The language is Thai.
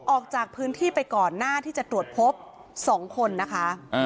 ออกจากพื้นที่ไปก่อนหน้าที่จะตรวจพบ๒คนนะคะ